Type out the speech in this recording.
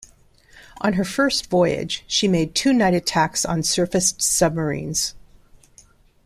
On her first voyage, she made two night attacks on surfaced submarines.